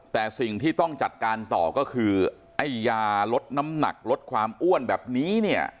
แต่สิ่งที่ต้องจัดการต่อก็คือไอ้ยาลดน้ำหนักลดความอ้วนแบบนี้เนี่ย